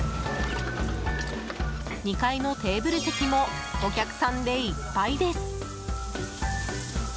２階のテーブル席もお客さんでいっぱいです。